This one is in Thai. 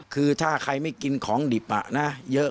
คือถ้าใครไม่กินของดิบเยอะ